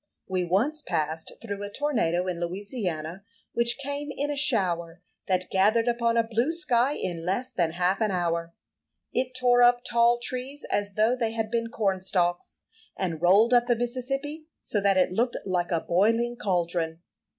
We once passed through a tornado in Louisiana, which came in a shower that gathered upon a blue sky in less than half an hour. It tore up tall trees as though they had been cornstalks, and rolled up the Mississippi so that it looked like a boiling caldron.